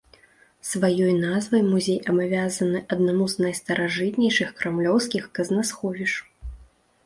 Сваёй назвай музей абавязаны аднаму з найстаражытнейшых крамлёўскіх казнасховішч.